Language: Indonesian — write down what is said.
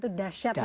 itu dahsyatnya doa